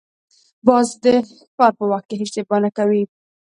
باز د ښکار په وخت هېڅ اشتباه نه کوي